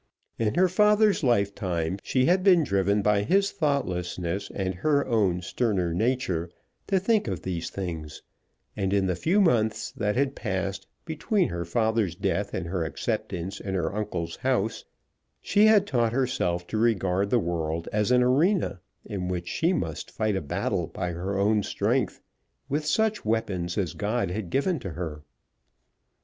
In her father's lifetime she had been driven by his thoughtlessness and her own sterner nature to think of these things; and in the few months that had passed between her father's death and her acceptance in her uncle's house she had taught herself to regard the world as an arena in which she must fight a battle by her own strength with such weapons as God had given to her.